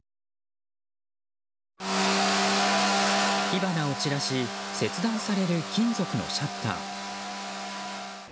火花を散らし切断される金属のシャッター。